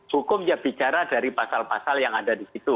hukum ya bicara dari pasal pasal yang ada di situ